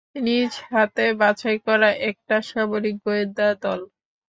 নিজ হাতে বাছাই করা একটা সামরিক গোয়েন্দা দল।